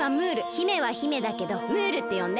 姫は姫だけどムールってよんで。